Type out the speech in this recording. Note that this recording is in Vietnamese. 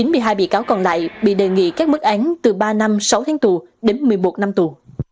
chín mươi hai bị cáo còn lại bị đề nghị các mức án từ ba năm sáu tháng tù đến một mươi một năm tù